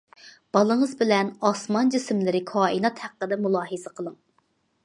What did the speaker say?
بالىڭىز بىلەن ئاسمان جىسىملىرى كائىنات ھەققىدە مۇلاھىزە قىلىڭ.